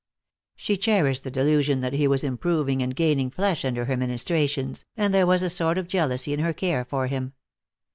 She cherished the delusion that he was improving and gaining flesh under her ministrations, and there was a sort of jealousy in her care for him.